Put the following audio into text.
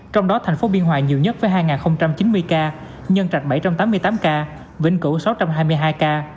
trong đó thành phố biên hòa nhiều nhất với hai chín mươi ca nhân trạch bảy trăm tám mươi tám ca vĩnh cửu sáu trăm hai mươi hai ca